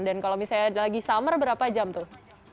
dan kalau misalnya lagi summer berapa jam tuh